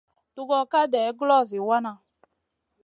Tugor ka day guloʼo zi wana.